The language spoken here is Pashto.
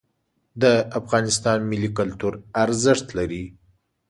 د افغانستان ملي کلتور ارزښت لري.